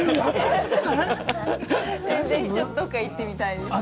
全然、どこか行ってみたいです。